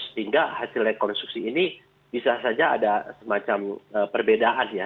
sehingga hasil rekonstruksi ini bisa saja ada semacam perbedaan ya